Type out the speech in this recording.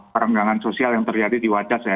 perenggangan sosial yang terjadi di wajah saya